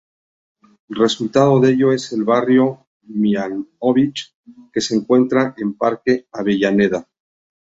Resultado de ello es el Barrio Mihanovich, que se encuentra en Parque Avellaneda.